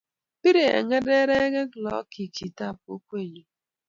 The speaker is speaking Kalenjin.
Birei eng' nerekwek laak chich chitab kokwenyu